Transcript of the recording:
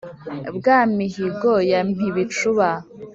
bwa mihigo ya mpibicuba,